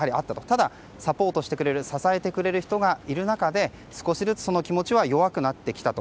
ただ、サポートしてくれる支えてくれる人がいる中で少しずつ、その気持ちは弱くなってきたと。